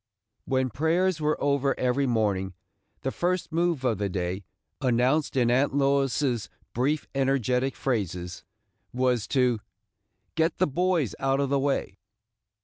When prayers were over every morning, the first move of the day, announced in Aunt Lois's brief energetic phrases, was to "get the boys out of the way."